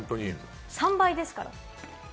３倍ですから。